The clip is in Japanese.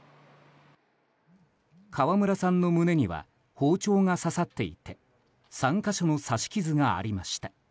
川村さんの胸には包丁が刺さっていて３か所の刺し傷がありました。